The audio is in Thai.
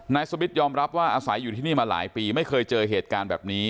สมิทยอมรับว่าอาศัยอยู่ที่นี่มาหลายปีไม่เคยเจอเหตุการณ์แบบนี้